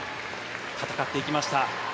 戦っていきました。